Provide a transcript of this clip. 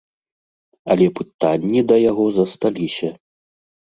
Але пытанні да яго засталіся.